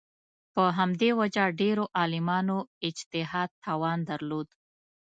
په همدې وجه ډېرو عالمانو اجتهاد توان درلود